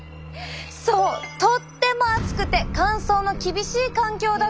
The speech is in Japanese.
そうとっても暑くて乾燥の厳しい環境だったんです。